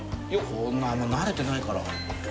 こんなの慣れてないから。